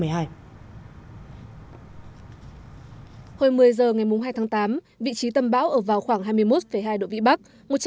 hồi một mươi h ngày hai tháng tám vị trí tâm bão ở vào khoảng hai mươi một hai độ vĩ bắc